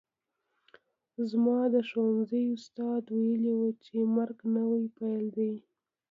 زما د ښوونځي استاد ویلي وو چې مرګ نوی پیل دی